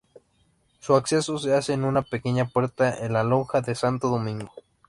Su acceso se hace en una pequeña puerta en la lonja de Santo Domingo.